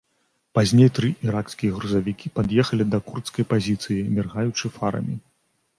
Пазней тры іракскія грузавікі пад'ехалі да курдскай пазіцыі, міргаючы фарамі.